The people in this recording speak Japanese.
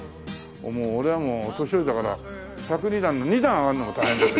俺はもう年寄りだから１０２段の２段上がるのも大変ですよ。